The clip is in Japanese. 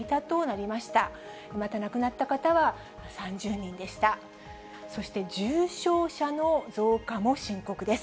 そして重症者の増加も深刻です。